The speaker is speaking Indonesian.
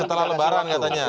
setelah lebaran katanya